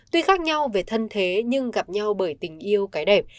tuy khác nhau về thân thế nhưng gặp nhau bởi tình yêu cái đẹp